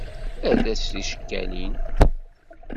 Err-as ticekkalin.